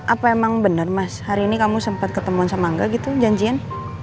apa emang bener mas hari ini kamu sempat ketemuan sama enggak gitu janjian